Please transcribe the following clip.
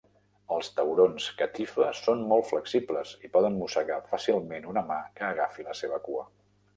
Els taurons catifa són molt flexibles i poden mossegar fàcilment una mà que agafi la seva cua.